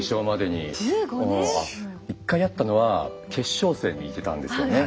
１回あったのは決勝戦に行けたんですよね。